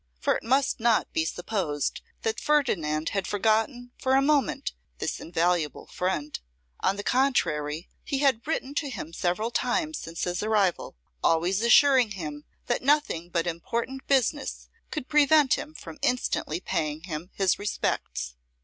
For it must not be supposed that Ferdinand had forgotten for a moment this invaluable friend; on the contrary, he had written to him several times since his arrival: always assuring him that nothing but important business could prevent him from instantly paying him his respects.